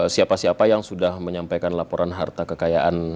siapa siapa yang sudah menyampaikan laporan harta kekayaan